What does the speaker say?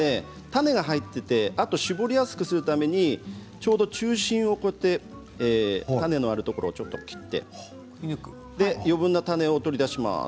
種が入っていてあと搾りやすくするためにちょうど中心の種があるところを切って余分な種を取り出します。